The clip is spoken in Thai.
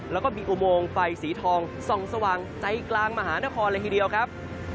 แล้วก็มีอุโมงไฟสีทองส่องสว่างใจกลางมหานครเลยทีเดียวครับ